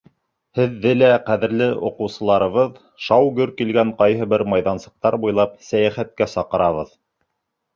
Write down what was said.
Һеҙҙе лә, ҡәҙерле уҡыусыларыбыҙ, шау-гөр килгән ҡайһы бер майҙансыҡтар буйлап сәйәхәткә саҡырабыҙ.